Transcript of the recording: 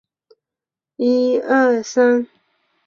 莫雷特。